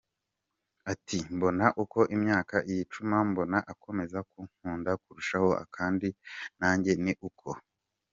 Ati, “Mbona uko imyaka yicuma mbona akomeza kunkunda kurushaho kandi nanjye ni uko”.